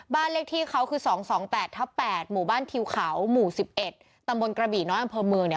บ้านเลขที่เขาคือ๒๒๘ทับ๘หมู่บ้านทิวเขาหมู่๑๑ตำบลกระบี่น้อยอำเภอเมืองเนี่ย